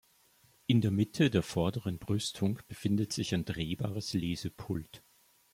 In der Mitte der vorderen Brüstung befindet sich ein drehbares Lesepult.